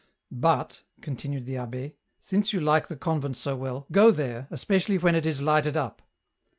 " But," continued the abb^, " since you like the convent so well, go there, especially when it is lighted up."